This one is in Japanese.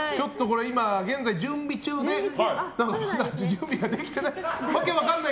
現在、準備中でまだ準備ができてない。